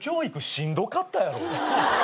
しんどかったやろう。